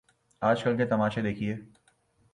آج کل کے تماشے دیکھیے۔